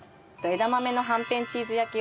枝豆のはんぺんチーズ焼きを。